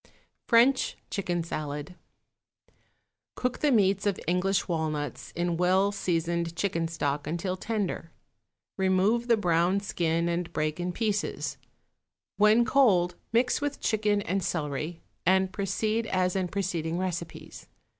=French Chicken Salad.= Cook the meats of English walnuts in well seasoned chicken stock until tender; remove the brown skin and break in pieces; when cold mix with chicken and celery, and proceed as in preceding recipes.